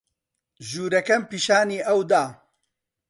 ژوورەکەم پیشانی ئەو دا.